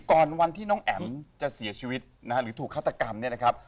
ก่อนวันที่น้องแอ๋มจะเสียชีวิตนะฮะหรือถูกฆาตกรรมเนี่ยนะครับ